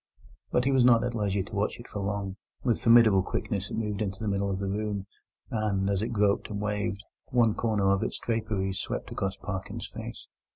But he was not at leisure to watch it for long. With formidable quickness it moved into the middle of the room, and, as it groped and waved, one corner of its draperies swept across Parkins's face.